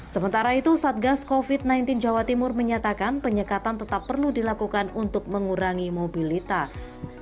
sementara itu satgas covid sembilan belas jawa timur menyatakan penyekatan tetap perlu dilakukan untuk mengurangi mobilitas